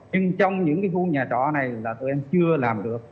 nhưng trong những cái khu nhà trọ này là tụi em chưa làm được